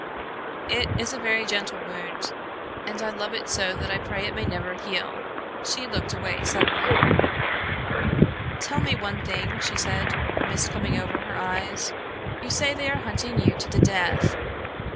"It is a very gentle wound, and I love it so that I pray it may never heal." She looked away suddenly. "Tell me one thing," she said, a mist coming over her eyes. "You say they are hunting you to the death.